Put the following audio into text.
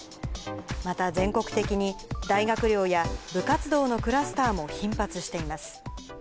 また全国的に、大学寮や部活動のクラスターも頻発しています。